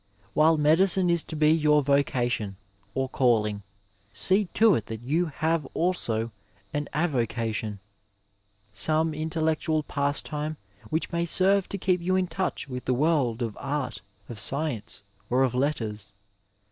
While medicine is to be your vocation, or calling, see to it that you have also an avocaticm — some intellectual pas time which may serve to keep you in touch with the world of art, of science, or of letters.